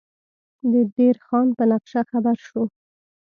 د دیر خان په نقشه خبر شو.